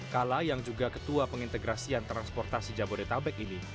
kala yang juga ketua pengintegrasian transportasi jabodetabek ini